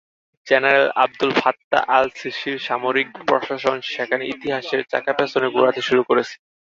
General Abdul Fattah আল-সিসির সামরিক প্রশাসন সেখানে ইতিহাসের চাকা পেছনে ঘোরাতে শুরু করেছে।